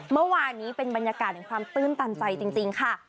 เมื่อวานี้เป็นบรรยากาศจริงค่ะ